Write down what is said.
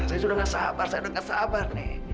saya sudah tidak sabar